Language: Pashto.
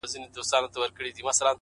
• ستا ټولي كيسې لوستې؛